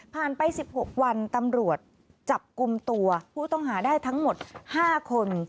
ไป๑๖วันตำรวจจับกลุ่มตัวผู้ต้องหาได้ทั้งหมด๕คน